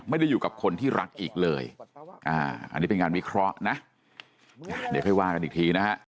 ไม่ได้อยู่กับคนที่รักอีกเลยอันนี้เป็นงานวิเคราะห์นะเดี๋ยวค่อยว่ากันอีกทีนะฮะ